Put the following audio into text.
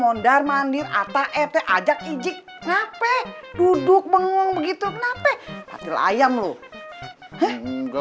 gendarmanir ataep ajak ijik ngapain duduk bengong begitu kenapa patil ayam lu enggak